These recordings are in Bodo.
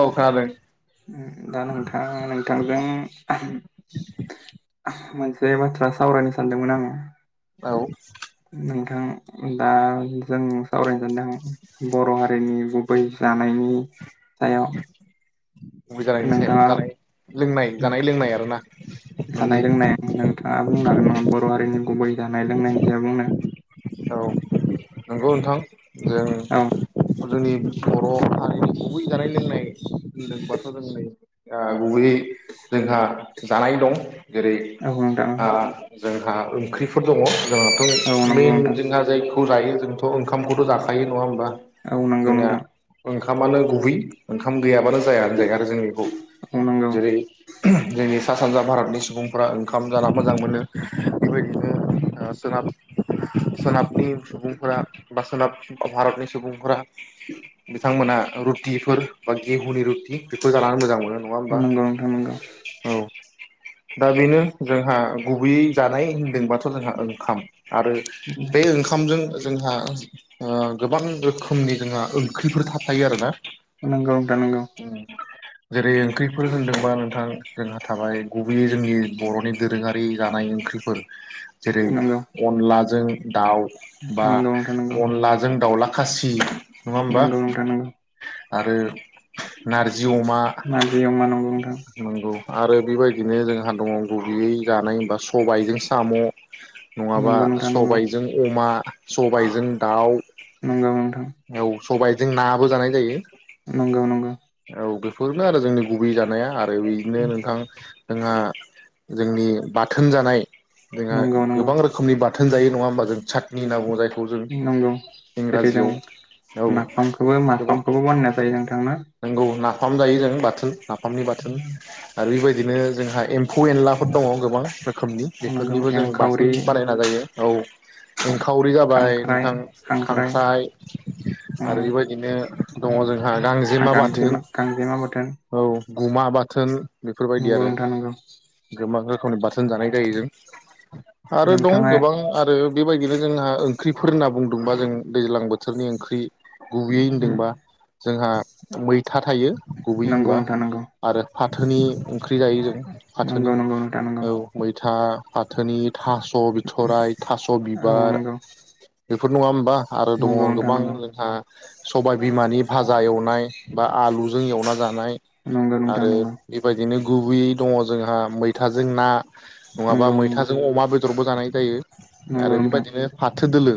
औ खोनादों उ दा नोंथाङा नोंथांजों ओम ऊह मोनसे बाथ्रा सावरायनो सानदोंमोन आङो? औ दा जो नोंथां [unintelligible] बर' हारिनि गुबै जानायनि उम आय' गुबै जानायनि सायाव जानाय लोंनाय जानाय लोंनाय आरो ना। जानाय लोंनायनि नोंथाङा बुंनो हागोन नामा बर' हारिनि गुबै जानाय लोंनायनि सायाव बुंनो औ नंगौ नोंथां जों औ जोंनि बर' हारिनि गुबै जानाय लोंनाय होनो बाथ' जोंङो आ गुबै जोंहा जानाय दं जेरै औ नोंथां आ जोंहा ओंख्रिफोर दङ जोंहाथ' औ नंगौ मेइन नोंथां खौ जायो जोंथ' ओंखामखौथ' जाखायो नङा होमबा। औ नंगौ नोंथां। ओंखाम आनो गुबै ओंखाम गैयाबानो जाया होनजायो आरो जों बेखौ औ नंगौ जेरै जोंनि सा सानजा भारतनि सुबुंफोरा ओंखाम जाना मोजां मोनो बेबायदिनो ओ सोनाब सोनाबनि सुबुंफोरा बा सोनाब भारतनि सुबुंफोरा बिथांमोना रुटिफोर बा गेहुनि रुटि बेखौ जानानै मोजां मोनो नङा होमबा नंगौ नोंथां नंगौ औ दा बेनो जोंहा गुबैयै जानाय होनदोंबाथ' जोंहा ओंखाम आरो बे ओंखामजों जोंहा ओ गोबां रोखोमनि जोंहा ओंख्रिफोर थाफायो आरो ना। नोंगौ नोंथां नोंगौ। जेरै ओंख्रिफोर होनदोंबा नोंथां जोंहा थाबाय गुबैयै जोंनि बर'नि दोरोङारि जानाय ओंख्रि ओंख्रिफोर जेरै नंगौ अनलाजों दाउ। बा नंगौ नोंथां अनलाजों दाउला खासि। नङा होमबा नोंगौ नोंथां नांगौ आरो नारजि अमा नारजि अमा नंगौ नोंथां नंगौ आरो बेबायदिनो जोंहा दङ गुबैयै जानाय हबा सबायाइजों साम। नङाबा नंगौ नोंथां नंगौ सबायजों अमा सबायजों दाउ। नंगा नोंथां सबायाइजों नाबो जानाय जायो। नंगौ नंगौ औ बेफोरनो आरो जोंनि गुबै जानाया आरो बिदिनो नोंथां जोंहा जोंनि बाथोन जानाय जोंहा नंगौ नंगौ गोबां रोखोमनि बा थोन जायो नङा होमबा जों चाटनि होनना बुङो जायखौ जों नंगौ जेरै जों इंराजियाव। औ नाफामखौबो माफामखौबो बानायनाय जायो नोंथांनो नोंगौ नाफाम जायो जों बाथोन नाफामनि बाथोन आरो बेबायदि बिओदिनो जोंहा एम्फौ एनलाफोर दङ गोबां रोखोमनि नंगौ बेफोरनिबो जों एंखावरि बासोन बानायना जायो। सिंखावरि जाबाय नोंथां खांख्राइ आरो बेबायदिनो दङ जोंहा गांजेमा बाथोन गांजेमा बाथोन औ। गुमा बाथोन बेफोरबायदि नंगौ आरो नोंथां नंगौ गोबां गावनि बाथोन जानाय जायो जों आरो दं नोंथाङा गोबां आरो बेबायदिनो जोंहा ओंख्रिफोर होनना बुंदोंबा जों दैज्लां बोथोरनि ओंख्रि। गुबैयै होनदोंबा जोंहा मैथा थायो गुबै नंगौ होनबा नोंथां नंगौ आरो फाथोनि ओंख्रि जायो जों फाथोनि नंगौ नंगौ नोंथां नंगौ औ मैथा फाथोनि। थास बिथराय थास औ बिबार बेफोर नङा होमबा? आरो दङ नंगौ नंगौ नोंथां गोबां नंगौ जोंहा सबायाइ बिमानि भाजा एवनाय। बा आलुजों एवना जानाय नंगौ नोंथां आरो नंगौ बेबायदिनो गुबैयै दङ जोंहा मैथाजों ना नङाबा नंगौ नंगौ मैथाजों अमा बेदरबो जानाय जायो। नंगौ आरो नोंथां बेबायदिनो फा थो दोलो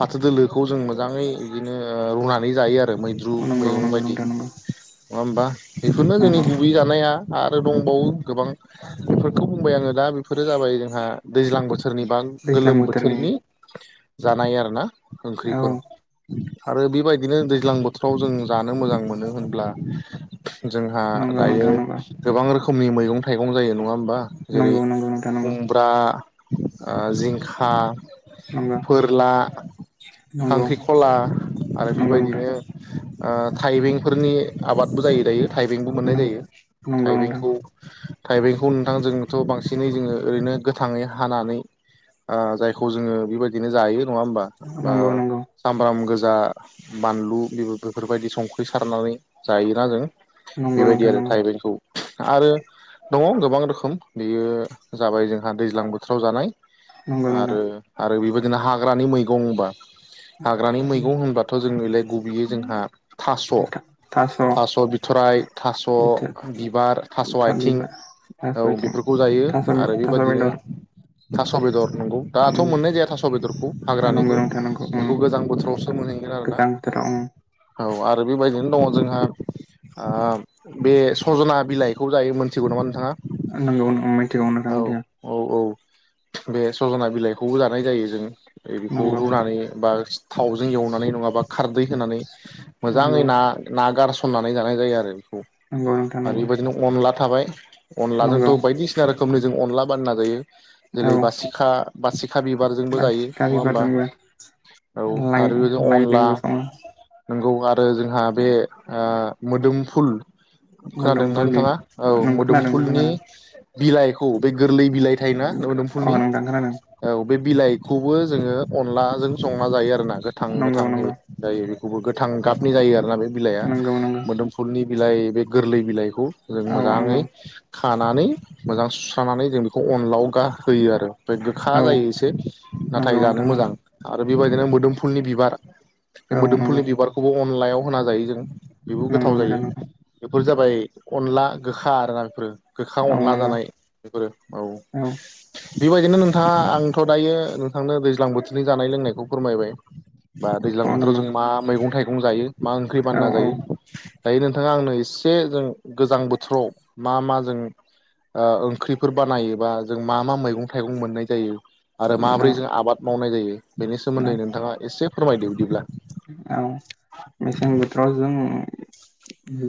फाथो दोलोखौ जों मोजाङै बिदिनो रुनानै जायो आरो। फ्राय मैद्रु नंगौ नंगौ मैगं बायदि नोंथां नंगौ नङा होमबा। बेफोरनो जोंनि नंगौ गुबै जानाया आरो दंबावो गोबां बेफोरखौ बुंबाय आङो। दा बेफोरो जाबाय जोंहा दैज्लां बोथोरनि बा गोलोम बोथोरनि जानाय आरोना औ ओंख्रिफोर। आरो बेबायदिनो दैज्लां बोथोराव जों जानो मोजां मोनो होनब्ला जोंहा नंगौ दायो नोंथां गोबां रोखोमनि मैगं थाइगं जायो नङा होम बा जेरै नंगौ नंगौ नंगौ नोंथां नंगौ खुमब्रा ओ जिंखा फोरला नंगौ खांख्रिखला आरो नंगौ बेबायदिनो नंगौ ओ थाइबेंफोरनि आबादबो जायो दायो। थाइबेंबो मोननाय जायो नोंथां नंगौ नोंथां थाइबेंखौ थाइबेंखौ नोंथां जोंनोथ बांसिनै जोङो ओरैनो गोथाङै हानानै ओ जायखौ जोङो बेबायदिनो जायो नङा होमबा बा नंगौ नंगौ सामब्राम गो जा बानलु बेफोरबायदि संख्रि सारनानै जायोना जों। नंगौ बेबायदि नोंथां आरो थाइबेंखौ आरो दङ गोबां रोखोम बेयो जाबाय जोंहा दैज्लां बोथोराव जानाय। नंगौ नंगौ आरो-आरो बेबायदिनो हाग्रानि मैगं होनबा हाग्रानि मैगं होनबाथ जों बेलाय गुबैयो जोंहा थास थास' बिथराय थास' बिबार थास' आथिं बिबार औ थास' आथिं बेफोरखौ जायो थास' आरो थास' बेबदिनो बेदर थास' बेदर नंगौ दाथ मोननाय जाया थास' बेदरखौ हाग्रानिखौ बेखौ गोजां बोथोराव गोजांबोथोराव उम। औ आरो बेबायदिनो दङ जोंहा ओ बे सज'ना बिलाइखौ जायो मोनथिगौ नामा नोंथाङा नंगौ ओं मिथिगौ नोथां औ मिथिगौ। औ औ बे सज'ना बिलाइखौबो जानाय जायो जों बे-बेखौ नंगौ रुनानै बा थावजों एवनानै नङाबा खारदै होनानै मोजाङै नंगौ ना-ना गारस सननानै जानाय जायो आरो बेखौ नंगौ नोंथां आरो नंगौ बेबायदिनो अनला थाबाय नंगौ अनलाजोंथ' बायदिसिना रो खोमनि जों अनला बानायना जायो जेरै औ बासि खा बासिखा बिबारजोंबो जायो बासिखा नङा होमबा। बिबारजोंबो औ लाइ आरो बेबायदि अनला लाइजोंबो सङो नंगौ आरो जोंहा बे ओ मोदोमफुल खोनादों ना मोदोमफुल बि नोंथाङा औ नों खोनादों नों मोदोमफुलनि खोनादों बिलाइखौ बे गोरलै बिलाइ थायोना मोदोमफुनि [unintelligible] बे बिलाइखौबो जोङो अनलाजों संना जायो आरोना नंगौ गोथां-गोथाङै नंगौ जायो। बे खौबो गोथां गाबनि जायो आरोना बे बिलाइआ नंगौ नंगौ मोदोमफुलनि बिलाइ बे गोरलै बिलाइखौ जों औ मोजाङै नंगौ खानानै मोजां सुस्रानानै जों बेखौ अनलाव गा होयो आरो। ओफ्राय गोखा औ जायो एसे नाथाय नंगौ जानो नोंथां नंगौ मोजां आरो बेबायदिनो मोदोमफुलनि बिबार बे औ मोदोमफुलनि नंगौ बिबारखौबो अनलायाव होना जायो जों बेबो नंगौ गोथाव जायो। नोंथां नंगौ बेफोर जाबाय अनला गोखा आरोना बेफोरो। गोखा औ अनला नंगौ जानाय बेफोरो औ। बेबायदिनो नोंथाङा आंथ' दायो नोंथांनो दैज्लां बोथोरनि जानाय लोंनायखौ फोरमायबाय। बा दैज्लां औ बोथोराव नंगौ जों मा मैगं थाइगं जायो मा ओंख्रि औ बानना जायो। दायो नोंथाङा आंनो एसे जों गोजां बोथोराव मा-मा जों ओ ओंख्रिफोर बानायो बा जों मा-मा मैगं थाइगं मोननाय जायो आरो औ माबोरै जों आबाद मावनाय जायो बेनि औ सोमोन्दै नोंथाङा एसे फोरमायदो बिदिब्ला। औ मेसें बोथोराव जोङो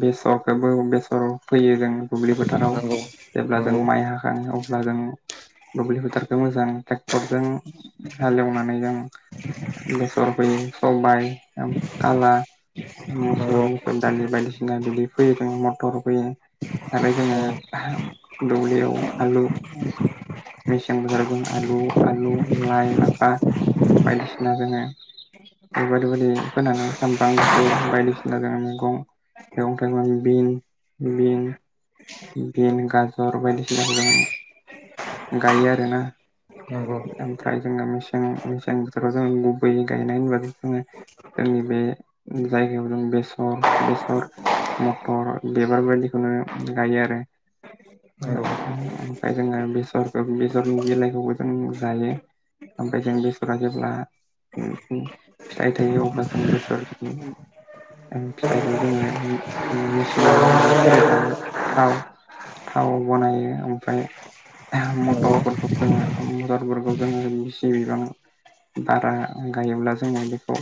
बेसरखौबो बेसर फैयो जों। दुब्लि फोथाराव नंगौ जेब्ला जों नंगौ माइ हाखाङो अब्ला जों दुब्लि फोथारखौ मोजां ट्रेक्टरजों हालेवनानै जों बेसर फोयो सबाय ओम खाला नंगौ मुसुर-मुसुर दालि बायदिसिना बिदि फैयो जों मटर फैयो आरो औ जोङो दौलियाव आलु मेसेंफोराव जों आलु आलु लाइ लाफा बायदिसिना जोङो बायदि बायदि फोनानै सामब्राम गुफुर बायदिसिना जों मैगं मैगं थाइगं बे बे बिन गाजर बायदिसिनाखौ जों गायो आरोना। नंगौ ओमफ्राय जोङो मेसें मेसें बोथोराव जों गुबैयै गायनाय होनबा जोंनि बे जायगायाव जों बेसर बेसर मटर बेफोरबायदिखौनो गायो आरो नंगौ ओमफाय जोङो बेसर बेसरनि बिलाइखौबो जों जायो ओमफ्राय जों बेसरा जेब्ला फिथाइ थायो अब्ला जों बेसरनि फिथाइखौ जोङो मेसिनाव लांनानै फेरेदनानै थाव थाव बनायो ओमफ्राय नंगौ मटरफोरखौ जोङो मटरफोरखौ जोङो [unintelligible] बारा गायोब्ला जोङो बेखौ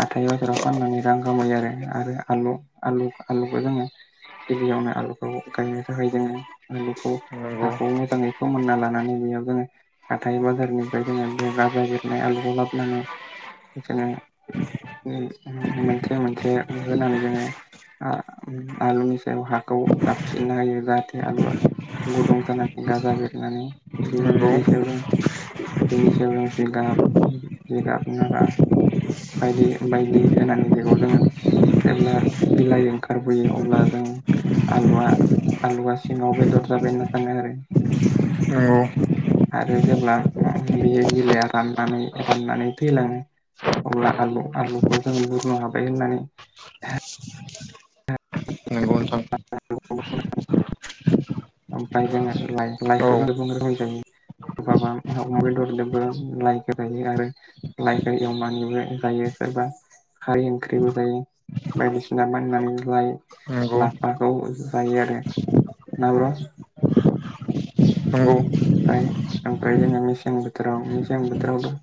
हाथाइ बाजाराव फाननानै रां खामायो। आरो आरो आलु आलु आलुखौ जोङो गिबियावनो आलु खौ गायनो थाखाय जोङो आलुखौ नंगौ हाखौ मोजाङै फोमोनना लानानै बेयाव जोङो हाथाइ बाजारनिफ्राय जोङो बे गाजा बेरनाय आलुखौ लाबोनानैनो बिदिनो मोनसे मोनसे होनानै जोङो आलुनि सायाव हाखौ साबसिन हायो जाहाथे आलुआ गुदुं जानानै गाजा बेरनानै नंगौ बेनि सायाव जों बेनिसायाव जिगाब जिगाबा नारा बायदि बायदि होनानै बेखौ जोङो जेब्ला बिलाइ ओंखारबोयो अब्ला जोङो आलुआ आलुआ सिङाव बेदर जाबाय होनना सानो आरो नंगौ आरो जेब्ला बे बिलाइआ राननानै राननानै थैलाङो अब्ला आलु आलुखौ जोङो बुरनो हाबाय होननानै नंगौ नोंथां ओमफ्राय जोङो लाइ औ लाइजों गोबां रोखोनि जायो बेदरजोंबो लाइखौ जोयो आरो लाइखौ एवमनानैबो जायो सोरबा खारै ओंख्रिबो जायो बायदिसिना बानायनै जायो नंगौ लाफाखौ जायो आरो ना ब्र' नंगौ ओनफ्राय जोङो मसें बोथोराव मसें बोथोराव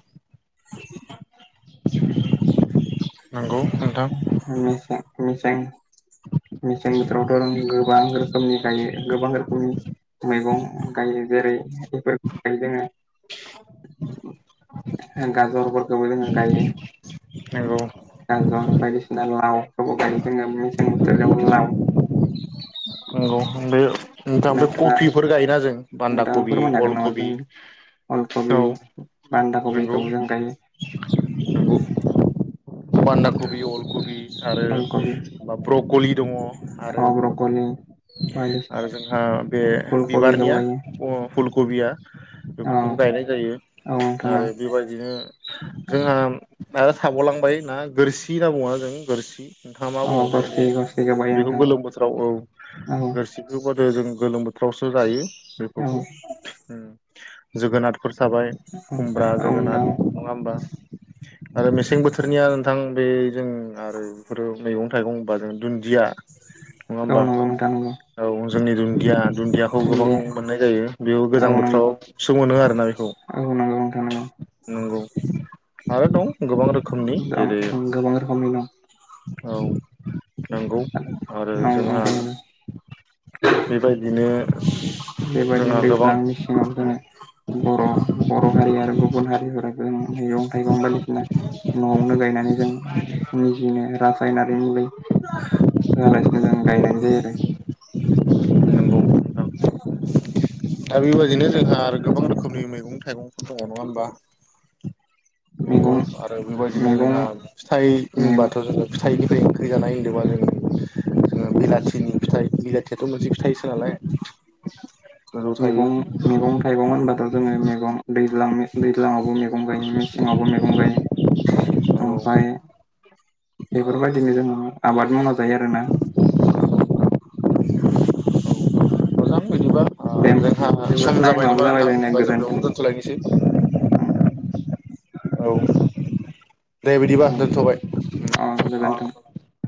हम नंगौ नोंथां [unintelligible] मेसें बोथोरावथ' गोबां रोखोमनि जायो गोबां रोखोमनि मैगं गायो जेरै बेफोर गायो जोङो गाजरफोरखौबो जोङो गायो नंगौ गाजर बायदिसिना लाव खौबो गायो जोङो मेसें बोथोराव लाव नंगौ बे नोंथाङा ओमफ्राय कबिफोर गायोना जों बान्दा नोंथाङा कबि फोरमायनो हागोन अल नामा कबि जों औ अलकबि बान्दा नंगौ कबिखौबो जों गायो नंगौ बान्दा कबि अल कबि अलकबि आरो ब्रकलि दङ आरो मानि आरो बे बिबारनिया फुलकबिया औ बेफोरखौबो गायनाय जायो औ नोंथां औ आरो बेबायदिनो जोंहा आरो थाबावलांबाय ना गोरसि होनना बुङो जों गोरसि नोंथाङा मा औ बुंबोथाय गरसि बेे गरसिखौ गायो बेखौ नोंथां गोलोम बोथोराव औ औ गोरसिखौ बा गोलोम बोथोरावसो जायो औ बेफोरखौ जोगोनार फोर थाबाय खुमब्रा औ जोगोनाथ नोंथां नङा होमबा आरो मेसें बोथोरनिया नोंथां बे जों आरो बेफोरो मैगं-थाइगं बाजों दुन्दिया नङा औ होमबा नंगौ नोंथां नंगौ औ जोंनि दुन्दिया दुन्दियाखौ गोबां दुन्दिया मोननाय जायो बेयाव गोजां औ नंगौ बोथोरावसो मोनो आरोना बेखौ औ नंगौ नोंथां नंगौ नंगौ माबा दं गोबां रोखोमनि दं जेरै गोबां रोखोमनि दं औ नांगौ आरो नंगौ जोंहा नोंथां नंगौ बेबायदिनो जोंहा बेबायदिनो गोबां दैज्लां मेसिङाव जोङो बर' बर' हारि आरो गुबुन गुबुन हारिफोरा जों मैगं-थाइगं बायदिसिना न'आवनो गायनानै जों निजिनो रासायनारि मुलि होआलासिनो जों गायनाय जायो आरो नंगौ नोंथां दा बेबायदिनो जोंहा आरो गोबां रोखोमनि मैगं थाइगंफोर दङ नङा होमबा नंगौ मैगं आरो बेबायदिनो मैगं जोंहा फिथाइ होनबाथ' जोङो फिथाइ दै जानाय होनदोंबा जों जोङो बिलाथिनि फिथाइ बिलाथियाथ' मोनसे फिथाइसो नालाय गोजौ थायो मैगं मैगं-थाइगं होनबाथ' जोङो मैगं दैज्लां दैज्लाङावबो मैगं गायो मेसेंङावबो मैगं गायो नंगौ ओमफ्राय बेफोरबायदिनो जोङो आबाद मावना जायो आरोना [unintelligible] देन जोंहा सम जाबाय नामा नोंथां देबा जों बेयावनो दोनथ'लायनोसै ओं औ दे बिदिबा औ दोन्थ'बाय औ गोजोन्थों अ